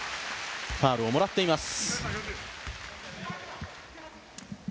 ファウルをもらっています。